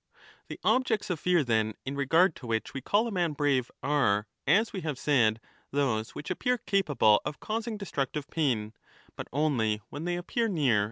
The objects of fear, then, in regard to which we call a man brave are, as we have said, those which appear capable of 15 causing destructive pain, but only when they appear near 2 12: d.